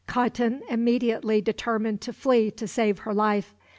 Khatun immediately determined to flee to save her life.